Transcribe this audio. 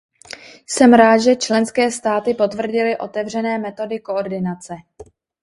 Jsem rád, že členské státy potvrdily otevřené metody koordinace.